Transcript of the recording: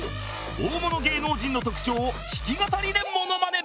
大物芸能人の特徴を弾き語りでモノマネ